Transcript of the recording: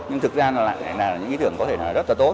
nhưng thực ra là những ý tưởng có thể rất là tốt